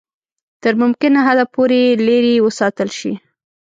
تر ممکنه حده پوري لیري وساتل شي.